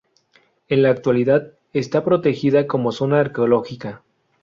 En la actualidad está protegida como zona arqueológica.